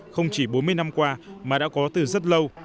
không chỉ bốn mươi năm qua mà đã có từ rất lâu